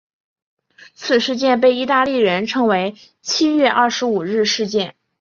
此事件被意大利人称为七月二十五日事件。